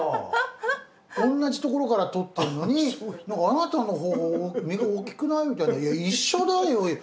同じところから取ってんのに「何かあなたの方が実が大きくない？」みたいな「いや一緒だよ！